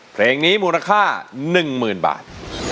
เพลงนี้มูลค่าหนึ่งหมื่นบาท